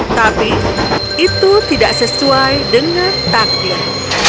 tapi itu tidak sesuai dengan takdir